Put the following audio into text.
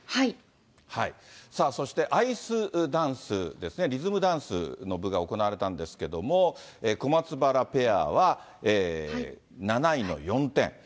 さあ、そしてアイスダンスですね、リズムダンスの部が行われたんですけど、小松原ペアは７位の４点。